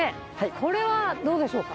これはどうでしょうか？